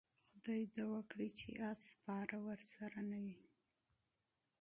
خدای دې وکړي چې اس سپاره ورسره نه وي.